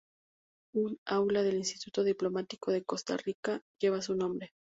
Un aula del Instituto Diplomático de Costa Rica lleva su nombre.